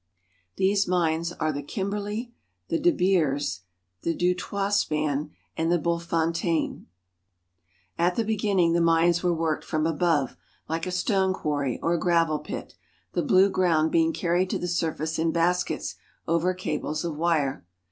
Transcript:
These mines are the Kimberley, the De Beers, the Dutoitspan, and the Bulfontein. I KIMBERLEY AND THE DIAMOND MINES 299 I At the beginning, the mines were worked from above, | stone quarry or gravel pit, the blue ground being j carried to the surface in baskets over cables of wire.